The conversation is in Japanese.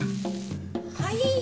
はい